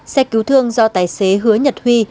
xe cứu thương do tài xế hứa nhật huy